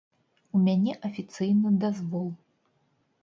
У мяне афіцыйны дазвол.